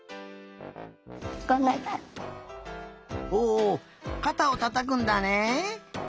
おかたをたたくんだね。